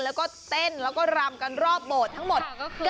แล้วก็เต้นแล้วก็รำกันรอบโบสถ์ทั้งหมด